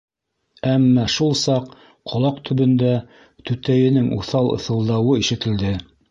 Әммә шул саҡ ҡолаҡ төбөндә түтәйенең уҫал ыҫылдауы ишетелде: